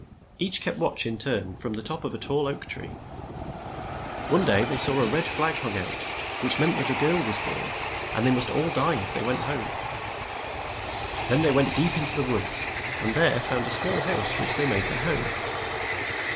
Each kept watch in turn from the top of a tall oak tree. One day they saw a red flag hung out, which meant that a girl was born, and they must all die if they went home. Then they went deep in the woods, and there found a small house which they made their home.